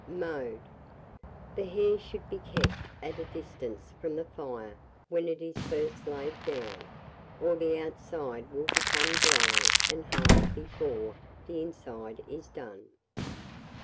[Illustration: ROAST HARE.] Mode. The hare should be kept at a distance from the fire when it is first laid down, or the outside will become dry and hard before the inside is done.